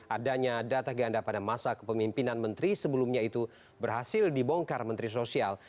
adanya data ganda pada masa kepemimpinan menteri sebelumnya itu berhasil dibongkar menteri sosial